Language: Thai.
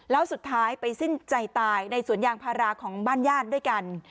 แล้วสุดท้ายไปสิ้นใจตายในสวนยางพาราของบ้านญาติด้วยกัน